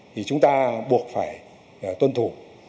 thì chúng ta buộc phải tuân thủ